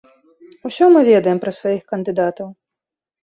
Усё мы ведаем пра сваіх кандыдатаў.